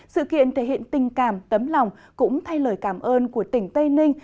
sự kiện thể hiện tình cảm tấm lòng cũng thay lời cảm ơn của tỉnh tây ninh